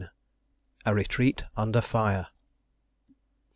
A RETREAT UNDER FIRE.